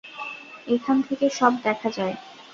এখান থেকে সব দেখা যায়।